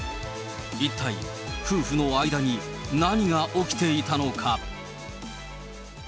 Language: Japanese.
一体、夫婦の間に何が起きていたのか。